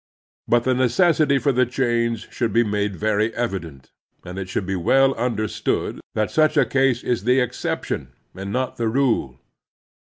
But the necessity for the change should be made very evident, and it shotild be well imderstood that such a case is the exception and not the rule.